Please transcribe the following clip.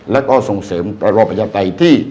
และก็ส่งเสริมระบอบประชาปไตยที่